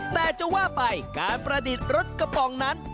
แต่จะว่าไปการประดิษฐ์รถกระป๋องนั้น